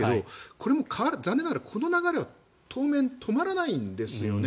これも残念ながら、この流れは当面、止まらないんですよね。